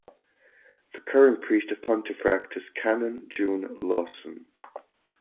The current Priest of Pontefract is Canon June Lawson.